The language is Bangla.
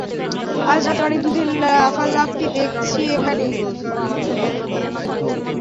আজ রাতে অনেক দুধের লাফালাফি দেখছি এখানে।